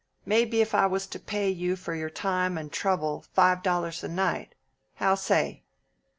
Maybe if I was to pay you for your time and trouble five dollars a night? How say?"